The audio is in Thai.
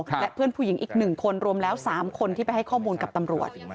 และเพื่อนผู้หญิงอีก๑คนรวมแล้ว๓คนที่ไปให้ข้อมูลกับตำรวจ